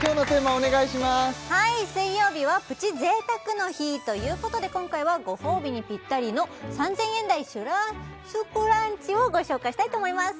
はい水曜日はプチ贅沢の日ということで今回はご褒美にぴったりの３０００円台シュラスコランチをご紹介したいと思います